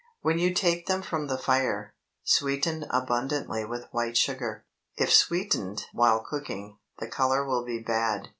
When you take them from the fire, sweeten abundantly with white sugar. If sweetened while cooking, the color will be bad.